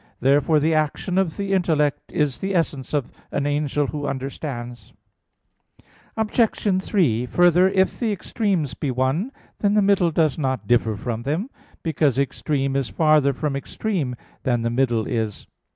Therefore the action of the intellect is the essence of an angel who understands. Obj. 3: Further, if the extremes be one, then the middle does not differ from them; because extreme is farther from extreme than the middle is.